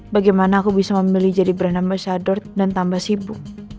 bagaimana aku bisa memilih jadi brand ambasadord dan tambah sibuk